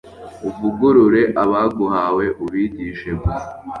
uvugurure abaguhawe, ubigishe gusa